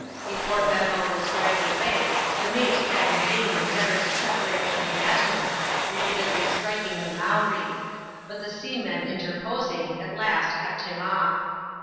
Before Bembo was dragged away, the mate had in vain endeavoured to separate the combatants, repeatedly striking the Mowree ; but the seamen interposing, at last kept him off.